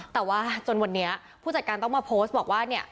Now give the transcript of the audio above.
แต่ว่าจนวันนี้ผู้จัดการต้องมาโพสต์บอกว่าเนี่ย